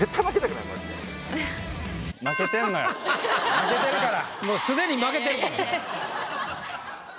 負けてるから！